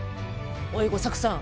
おい吾作さん。